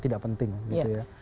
tidak penting gitu ya